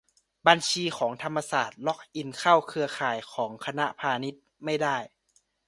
บัญชีของธรรมศาสตร์ล็อกอินเข้าเครือข่ายของคณะพาณิชย์ไม่ได้